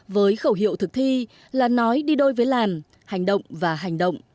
với khẩu hiệu thực thi là nói đi đôi với làn hành động và hành động